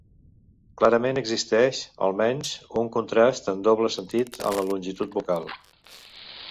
Clarament existeix, almenys, un contrast en doble sentit en la longitud vocal.